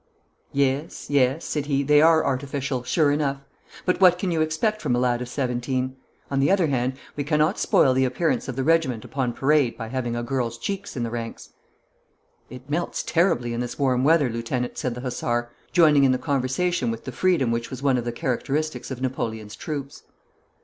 'Yes, yes,' said he, 'they are artificial, sure enough; but what can you expect from a lad of seventeen? On the other hand, we cannot spoil the appearance of the regiment upon parade by having a girl's cheeks in the ranks.' 'It melts terribly in this warm weather, lieutenant,' said the hussar, joining in the conversation with the freedom which was one of the characteristics of Napoleon's troops.